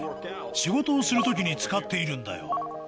仕事をする時に使っているんだよ。